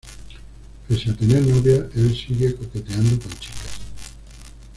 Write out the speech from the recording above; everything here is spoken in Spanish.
Pese a tener novia el sigue coqueteando con chicas.